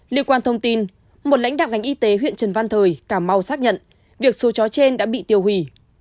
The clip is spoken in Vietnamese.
liên quan thông tin một lãnh đạp ngành y tế huyện trần văn thời cảm âu xác nhận việc số chó trên đã bị tiêu hủy